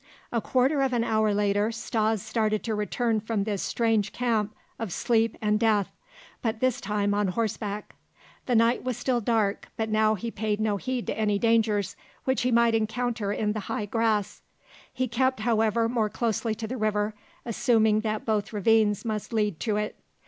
A quarter of an hour later Stas started to return from this strange camp of sleep and death, but this time on horseback. The night was still dark, but now he paid no heed to any dangers which he might encounter in the high grass. He kept, however, more closely to the river, assuming that both ravines must lead to it.